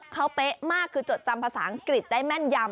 เขาเป๊ะมากคือจดจำภาษาอังกฤษได้แม่นยำ